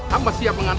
hamba siap mengantar